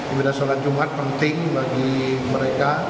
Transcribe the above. ibadah sholat jumat penting bagi mereka